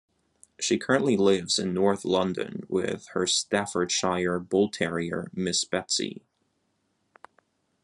She currently lives in North London with her Staffordshire Bull Terrier, Miss Betsy.